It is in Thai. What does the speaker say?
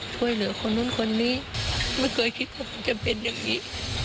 ช่วยเหลือคนนู้นคนนี้ไม่เคยคิดว่ามันจะเป็นอย่างนี้